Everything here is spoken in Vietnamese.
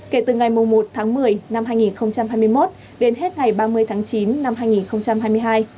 kể từ ngày một tháng một mươi năm hai nghìn hai mươi một đến hết ngày ba mươi tháng chín năm hai nghìn hai mươi hai